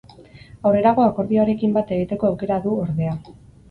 Aurrerago akordioarekin bat egiteko aukera du, ordea.